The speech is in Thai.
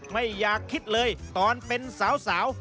ไม่อยากคิดเลยตอนเป็นสาว